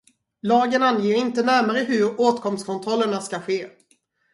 Lagen anger inte närmare hur åtkomstkontrollerna ska ske.